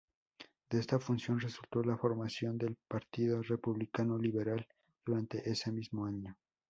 De esta fusión resultó la formación del Partido Republicano Liberal durante ese mismo año.